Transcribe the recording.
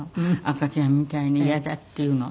赤ちゃんみたいに「嫌だ」って言うの。